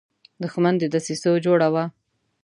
دښمن د دسیسو جوړه وي